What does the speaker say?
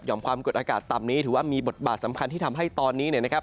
ความกดอากาศต่ำนี้ถือว่ามีบทบาทสำคัญที่ทำให้ตอนนี้เนี่ยนะครับ